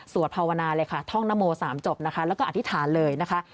ภาวนาเลยค่ะท่องนโม๓จบนะคะแล้วก็อธิษฐานเลยนะคะ